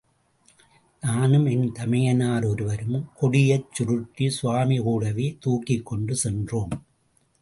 நானும் என் தமையனார் ஒருவரும், கொடியைச் சுருட்டி சுவாமி கூடவே தூக்கிக் கொண்டு சென்றோம்.